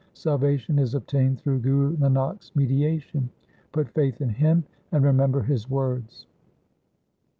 Salvation is obtained through Guru Nanak's mediation. Put faith in him, and remember his words.'